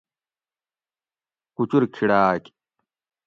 کُچور کھِڑاۤگ